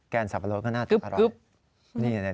สับปะรดก็น่าจะอร่อย